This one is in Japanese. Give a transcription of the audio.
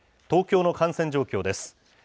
東京の感染状況です。